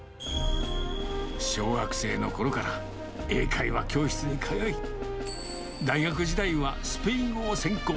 小学生のころから英会話教室に通い、大学時代はスペイン語を専攻。